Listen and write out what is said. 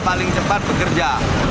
paling cepat bekerja